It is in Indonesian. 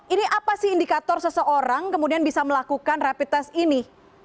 ini apa sih indikator seseorang kemudian bisa melakukan rapid test ini